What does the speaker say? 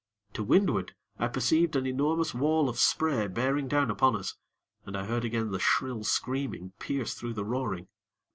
To windward, I perceived an enormous wall of spray bearing down upon us, and I heard again the shrill screaming, pierce through the roaring.